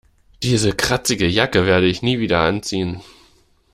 Diese kratzige Jacke werde ich nie wieder anziehen.